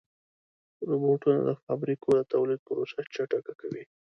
روبوټونه د فابریکو د تولید پروسه چټکه کوي.